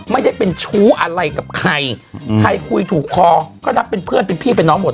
ไม่ได้เป็นชู้อะไรกับใครใครคุยถูกคอก็นับเป็นเพื่อนเป็นพี่เป็นน้องหมด